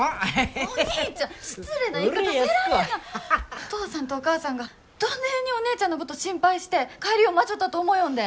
お父さんとお母さんがどねえにお兄ちゃんのこと心配して帰りを待ちょったと思よんでえ？